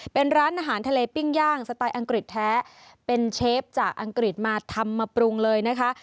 เป็นร้านอาหารทะเลปิ้งย่างสไตล์อังกฤษแท้เป็นเชฟจากอังกฤษมาทำมาปรุงเลยนะคะ